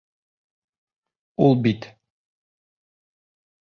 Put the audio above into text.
Ул бит.